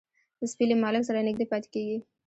سپي له مالک سره نږدې پاتې کېږي.